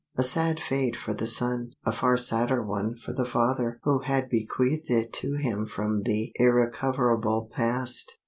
A sad fate for the son, a far sadder one for the father who had bequeathed it to him from the irrecoverable past.